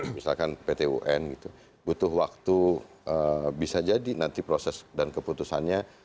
misalkan pt un gitu butuh waktu bisa jadi nanti proses dan keputusannya